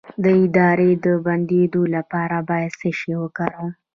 د ادرار د بندیدو لپاره باید څه شی وکاروم؟